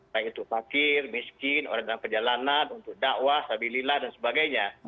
baik itu pakir miskin orang dalam perjalanan untuk dakwah sabi lillah dan sebagainya